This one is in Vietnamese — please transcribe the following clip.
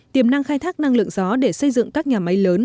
tiềm năng khai thác năng lượng gió để xây dựng các nhà máy lớn